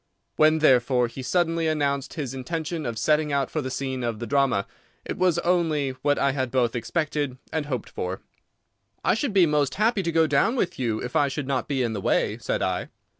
When, therefore, he suddenly announced his intention of setting out for the scene of the drama it was only what I had both expected and hoped for. "I should be most happy to go down with you if I should not be in the way," said I.